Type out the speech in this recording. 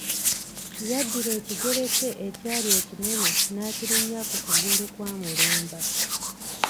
Yaddira ekigere kye ekyali ekinene n'akirinnya ku kugulu kwa Mulumba.